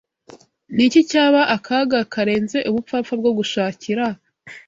ni iki cyaba akaga karenze ubupfapfa bwo gushakira